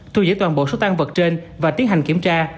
thu giữ toàn bộ số tan vật trên và tiến hành kiểm tra